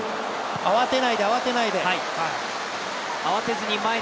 慌てないで慌てないで。